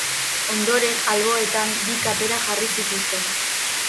Ondoren, alboetan, bi kapera jarri zituzten.